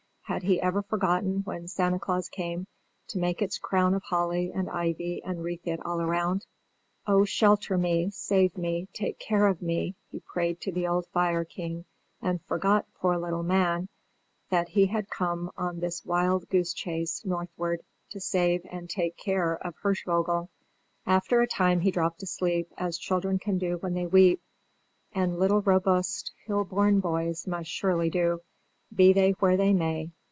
Had he ever forgotten when Santa Claus came to make it its crown of holly and ivy and wreathe it all around? "Oh, shelter me; save me; take care of me!" he prayed to the old fire king, and forgot poor little man, that he had come on this wild goose chase northward to save and take care of Hirschvogel! After a time he dropped asleep, as children can do when they weep, and little robust hill born boys most surely do, be they where they may.